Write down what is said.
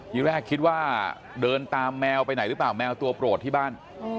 ทีแรกคิดว่าเดินตามแมวไปไหนหรือเปล่าแมวตัวโปรดที่บ้าน